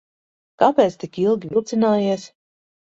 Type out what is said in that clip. Kāpēc tik ilgi vilcinājies?